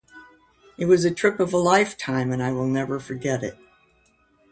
It was a trip of a lifetime and I will never forget it.